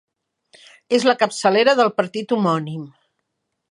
És la capçalera del partit homònim.